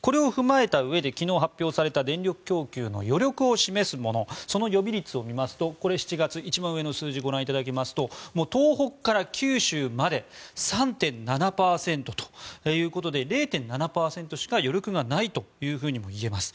これを踏まえたうえで昨日発表された電力供給の余力を示すものその予備率を見ますとこれ、７月一番上の数字を見ていただきますと東北から九州まで３．７％ということで０．７％しか余力がないとも言えます。